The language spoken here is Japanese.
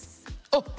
あっ！